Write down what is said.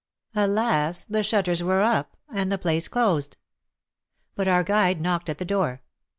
Alas ! the shutters were up and the place closed. But our guide knocked at the door.